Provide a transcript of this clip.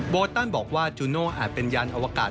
ตันบอกว่าจูโน่อาจเป็นยานอวกาศ